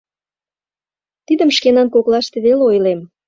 — Тидым шкенан коклаште веле ойлем.